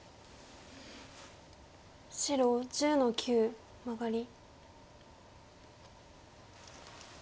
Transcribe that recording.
白１０の九マガリ。